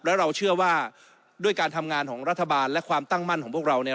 แล้วเราเชื่อว่าด้วยการทำงานของรัฐบาลและความตั้งมั่นของพวกเราเนี่ย